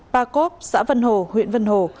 ba cốp xã vân hồ huyện vân hồ